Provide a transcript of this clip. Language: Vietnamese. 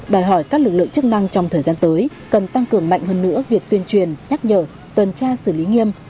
đòi hỏi các lực lượng chức năng trong thời gian tới cần tăng cường mạnh hơn nữa việc tuyên truyền nhắc nhở tuần tra xử lý nghiêm